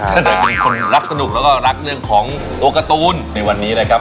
จะเป็นคนรักสนุกแล้วก็รักเรื่องของตัวการ์ตูนในวันนี้นะครับ